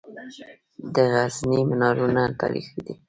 د غزني منارونه تاریخي دي